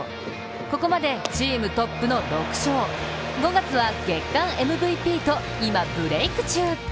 ここまでチームトップの６勝５月は月間ＭＶＰと今、ブレーク中。